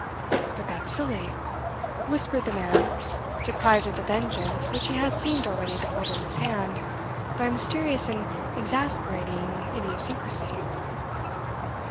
"But that's silly," whispered the man deprived of the vengeance which he had seemed already to hold in his hand, by a mysterious and exasperating idiosyncrasy.